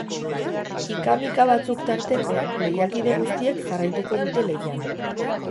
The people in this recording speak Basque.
Ika-mika batzuk tarteko, lehiakide guztiek jarraituko dute lehian.